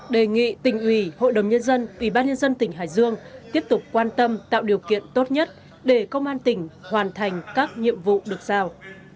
đề nghị tỉnh ủy hội đồng nhân dân ủy ban nhân dân tỉnh hải dương tiếp tục quan tâm tạo điều kiện tốt nhất để công an tỉnh hoàn thành các nhiệm vụ được giao